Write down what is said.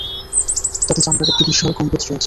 তাতে চামড়ার একটি বিশাল গম্বুজ রয়েছে।